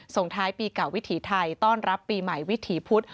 ส่งท้ายปีเก่าวิถีไทยต้อนรับปีใหม่วิถีพุธ